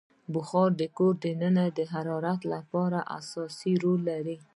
بخاري د کور دننه د حرارت لپاره اساسي رول لري.